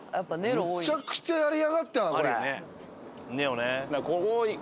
むちゃくちゃやりやがったなこれ。